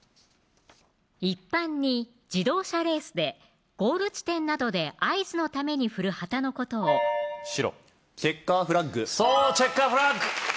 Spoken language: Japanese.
一般に自動車レースでゴール地点などで合図のために振る旗のことを白チェッカーフラッグそうチェッカーフラッグ